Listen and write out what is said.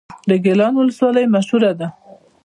د ګیلان ولسوالۍ مشهوره ده